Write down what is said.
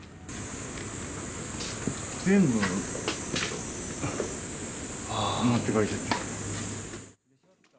全部、持っていかれちゃった。